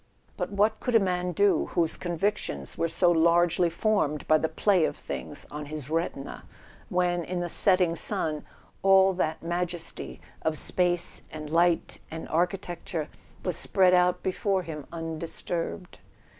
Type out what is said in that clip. But what could a man do, whose convictions were so largely formed by the play of things on his retina, when, in the setting sun, all that majesty of space and light and architec¬ ture was spread out before him undisturbed?